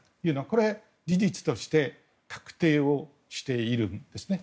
これ、事実として確定をしているんですね。